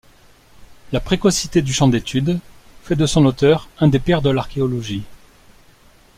La précocité du champ d'étude fait de son auteur un des pères de l'archéologie.